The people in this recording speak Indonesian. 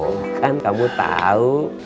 tuh kan kamu tau